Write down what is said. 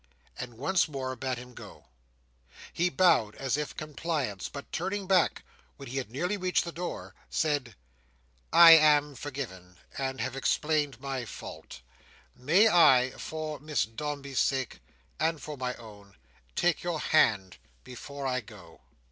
and once more bade him go. He bowed, as if in compliance; but turning back, when he had nearly reached the door, said: "I am forgiven, and have explained my fault. May I—for Miss Dombey's sake, and for my own—take your hand before I go?"